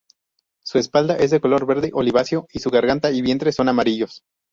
Su espalda es de color verde oliváceo y su garganta y vientre son amarillos.